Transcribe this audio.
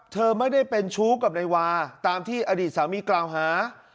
เธอไม่ได้เป็นชู้กับนายวาตามที่อดีตสามีกล่าวหา